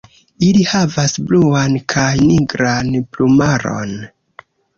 Ili havas bluan kaj nigran plumaron.